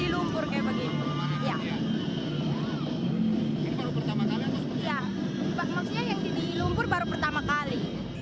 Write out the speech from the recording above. iya maksudnya yang di lumpur baru pertama kali